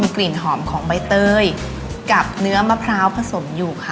กลิ่นหอมของใบเตยกับเนื้อมะพร้าวผสมอยู่ค่ะ